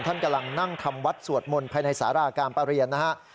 ท่านกำลังนั่งทำวัดสวดมนต์ภายในสาราการประเรียนนะฮะ